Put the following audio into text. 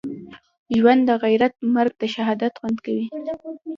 ژوند دغیرت مرګ دښهادت خوند کوی